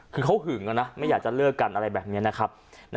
คือเขาหึงนะไม่อยากจะเลิกกันอะไรแบบนี้นะครับ